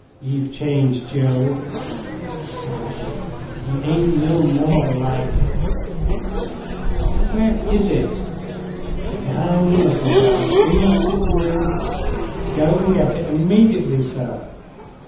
"Ye've changed, Joe," sadly. "Ye ain't no more like " "Where is it?" "Behind the lookin' glass in my sett'n room." "Go and get it immediately, sir!"